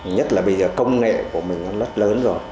nhất là bây giờ công nghệ của mình nó rất lớn rồi